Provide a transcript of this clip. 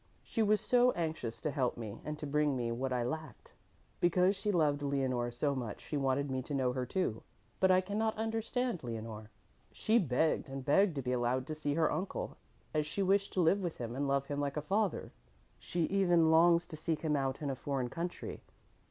"She was so anxious to help me and to bring me what I lacked. Because she loved Leonore so much, she wanted me to know her, too, but I cannot understand Leonore. She begged and begged to be allowed to see her uncle, as she wished to live with him and love him like a father. She even longs to seek him out in a foreign country.